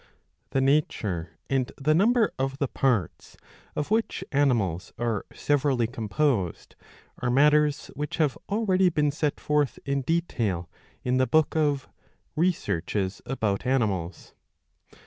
(Ch. I.) The nature and the number of the parts of which animals are severally composed are matters which have already been set forth in detail in the book of Researches about Animals.